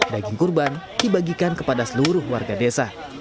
daging kurban dibagikan kepada seluruh warga desa